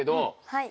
はい。